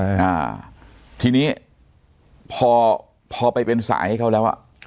อ่าทีนี้พอพอไปเป็นสายให้เขาแล้วอ่ะ